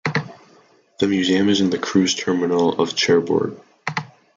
The museum is in the cruise terminal of Cherbourg.